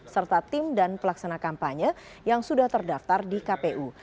serta tim dan pelaksana kampanye yang sudah terdaftar di kpu